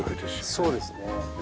そうですね。